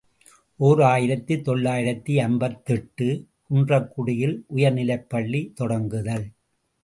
ஓர் ஆயிரத்து தொள்ளாயிரத்து ஐம்பத்தெட்டு ● குன்றக்குடியில் உயர்நிலைப்பள்ளி தொடங்குதல்.